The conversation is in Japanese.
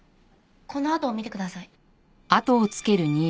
このあとを見てください。